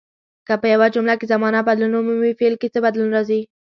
که په یوه جمله کې زمانه بدلون ومومي فعل کې څه بدلون راځي.